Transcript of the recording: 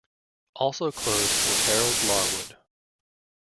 Also close was Harold Larwood.